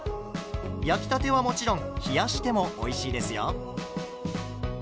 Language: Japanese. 焼きたてはもちろん冷やしてもおいしいですよ。